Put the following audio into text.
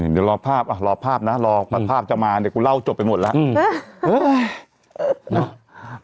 เดี๋ยวรอภาพอ่ะรอภาพนะรอภาพจะมาเดี๋ยวกูเล่าจบไปหมดแล้ว